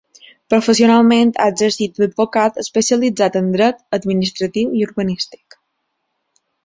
Professionalment ha exercit d’advocat especialitzat en dret administratiu i urbanístic.